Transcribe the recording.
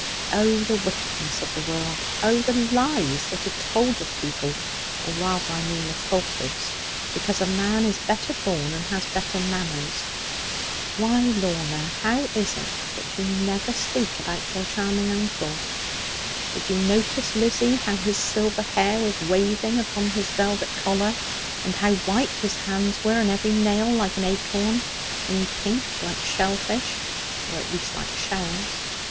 'Oh, the wickedness of the world! Oh, the lies that are told of people or rather I mean the falsehoods because a man is better born, and has better manners! Why, Lorna, how is it that you never speak about your charming uncle? Did you notice, Lizzie, how his silver hair was waving upon his velvet collar, and how white his hands were, and every nail like an acorn; only pink like shell fish, or at least like shells?